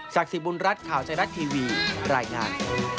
จากสิบุญรัฐข่าวใจรัดทีวีรายงาน